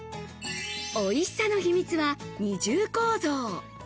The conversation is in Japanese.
おいしさの秘密は二重構造。